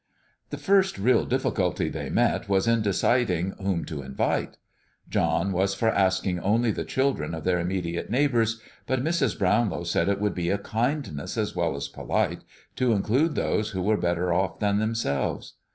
The first real difficulty they met was in deciding whom to invite. John was for asking only the children of their immediate neighbors; but Mrs. Brownlow said it would be a kindness, as well as polite, to include those who were better off than themselves.